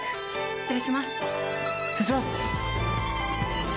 失礼します。